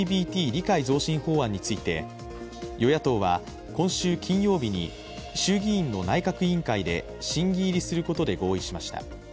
理解増進法案について与野党は今週金曜日に衆議院の内閣委員会で審議入りすることで合意しました。